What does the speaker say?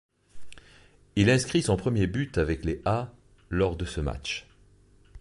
Il inscrit son premier but avec les A lors de ce match.